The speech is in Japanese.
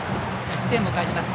１点を返します。